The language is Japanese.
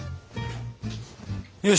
よし！